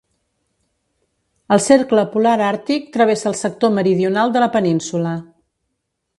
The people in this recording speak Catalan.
El cercle polar àrtic travessa el sector meridional de la península.